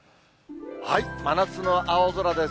真夏の青空です。